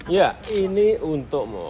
ya ini untuk